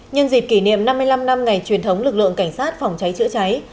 nhân dịp kỷ niệm năm mươi năm năm ngày truyền thống lực lượng cảnh sát phòng cháy chữa cháy